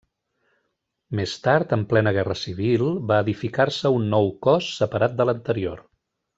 Més tard, en plena Guerra Civil, va edificar-se un nou cos separat de l'anterior.